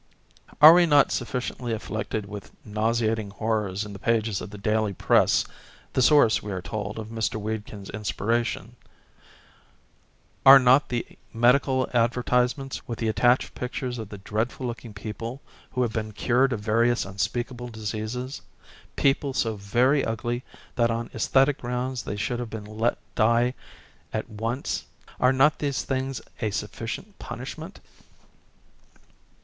Are we not sufficiently afflicted with nauseating horrors in the pages of the daily press â€" the source, TEE AWAKENING OF SPRING 239 we are told, of Mr. Wedekind's inspiration, â€" are not the medical advertisements with the attached pic tures of the dreadful looking people who have been cured of various unspeakable diseases â€" people so very ugly that on esthetic grounds they should have been let die at once â€" are not these things a sufficient punishment!